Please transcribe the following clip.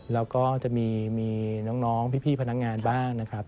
แล้วก็จะมีน้องพี่พนักงานบ้างนะครับ